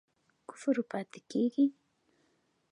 کفر پاتی کیږي؟